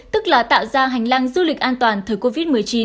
tức là tạo ra hành lang du lịch an toàn thời covid một mươi chín